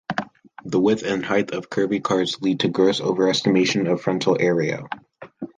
The width and height of curvy cars lead to gross overestimation of frontal area.